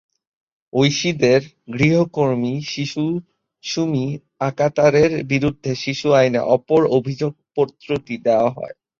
ঐশীদের গৃহকর্মী শিশু সুমি আকতারের বিরুদ্ধে শিশু আইনে অপর অভিযোগপত্রটি দেওয়া হয়।